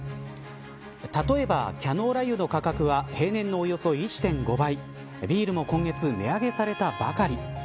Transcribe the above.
例えば、キャノーラ油の価格は平年のおよそ１．５倍ビールも今月値上げされたばかり。